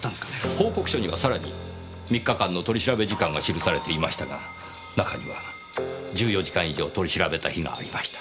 報告書にはさらに３日間の取り調べ時間が記されていましたが中には１４時間以上取り調べた日がありました。